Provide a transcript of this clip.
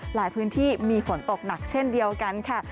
หลายพื้นที่มีฝนตกหนักเช่นเดียวกันค่ะ